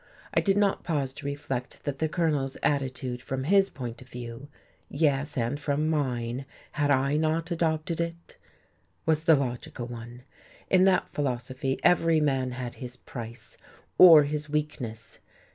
I did not pause to reflect that the Colonel's attitude, from his point of view (yes, and from mine, had I not adopted it?) was the logical one. In that philosophy every man had his price, or his weakness.